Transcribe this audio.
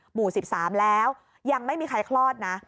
หมู่๑๓แล้วยังไม่มีใครคลอดนะ